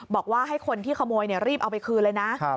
บอกว่าให้คนที่ขโมยรีบเอาไปคืนเลยนะ